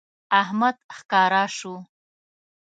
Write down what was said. احمد ښکاره شو